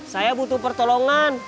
saya butuh pertolongan